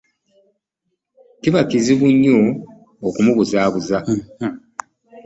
Kiba kizibu nnyo okumubuzaabuza.